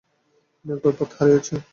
তুমি একবার পথ হারিয়েছ।